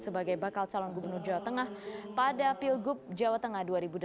sebagai bakal calon gubernur jawa tengah pada pilgub jawa tengah dua ribu delapan belas